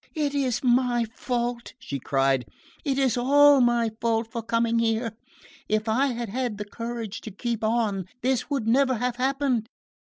"It is my fault," she cried, "it is all my fault for coming here. If I had had the courage to keep on this would never have happened!"